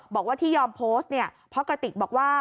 บอกว่าที่ยอมโพสต์เนี่ยเพราะกระติกบอกว่า